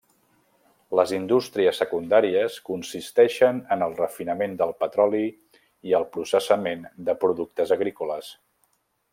Les indústries secundàries consisteixen en el refinament del petroli i el processament de productes agrícoles.